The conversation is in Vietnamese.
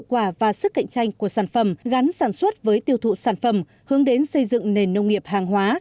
quả và sức cạnh tranh của sản phẩm gắn sản xuất với tiêu thụ sản phẩm hướng đến xây dựng nền nông nghiệp hàng hóa